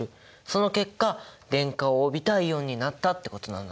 その結果電荷を帯びたイオンになったってことなんだね！